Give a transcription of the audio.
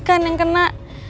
kan yang kena